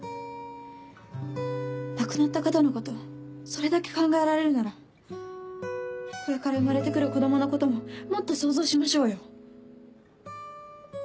亡くなった方のことそれだけ考えられるならこれから生まれて来る子供のことももっと想像しましょうよ。